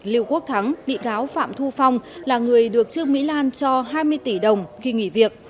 lưu quốc thắng bị cáo phạm thu phong là người được trương mỹ lan cho hai mươi tỷ đồng khi nghỉ việc